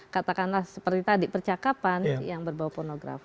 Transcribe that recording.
katakanlah seperti tadi percakapan yang berbau pornografi